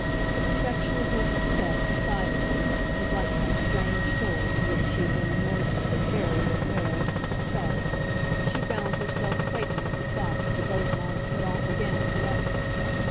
The perfection of her success, decidedly, was like some strange shore to which she had been noiselessly ferried and where, with a start, she found herself quaking at the thought that the boat might have put off again and left her.